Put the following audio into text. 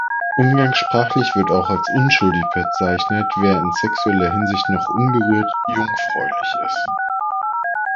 Umgangssprachlich wird auch als unschuldig bezeichnet, wer in sexueller Hinsicht noch unberührt, „jungfräulich“ ist.